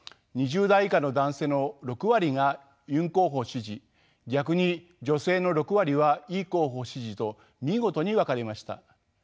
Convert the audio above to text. ２０代以下の男性の６割がユン候補支持逆に女性の６割はイ候補支持と見事に分かれました。